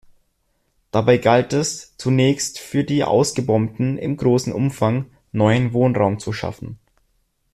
Dabei galt es, zunächst für die Ausgebombten in großem Umfang neuen Wohnraum zu schaffen.